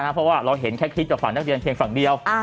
เพราะว่าเราเห็นแค่คลิปจากฝั่งนักเรียนเพียงฝั่งเดียว